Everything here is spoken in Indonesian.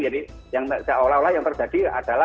jadi yang seolah olah yang terjadi